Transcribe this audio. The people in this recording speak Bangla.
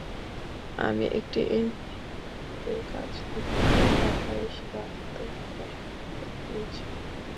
আমি একটি এনজিওতে কাজ করি বলে ঢাকায় এসে ভালোমতো বসবাস করতে পেরেছি।